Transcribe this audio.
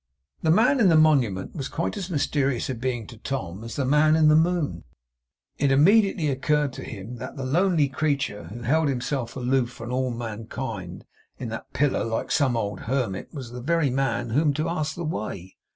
The Man in the Monument was quite as mysterious a being to Tom as the Man in the Moon. It immediately occurred to him that the lonely creature who held himself aloof from all mankind in that pillar like some old hermit was the very man of whom to ask his way.